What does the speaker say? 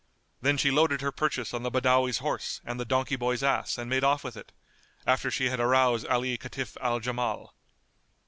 Then she loaded her purchase on the Badawi's horse and the donkey boy's ass and made off with it, after she had aroused Ali Kitf al Jamal.